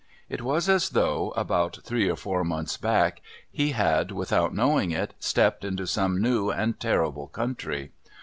It was as though, about three or four months back, he had, without knowing it, stepped into some new and terrible country.